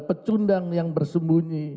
pecundang yang bersembunyi